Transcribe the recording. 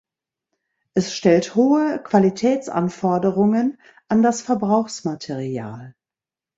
Es stellt hohe Qualitätsanforderungen an das Verbrauchsmaterial.